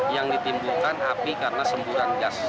yang ditimbulkan api karena semburan gas